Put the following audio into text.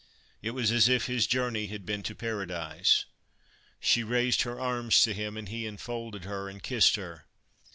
It was as if his journey had been to Paradise. She raised her arms to him, and he enfolded her and kissed her.